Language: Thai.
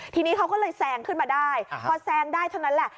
ทีนี้เขาก็เลยแซงขึ้นมาได้พอแซงได้เท่านั้นแหละ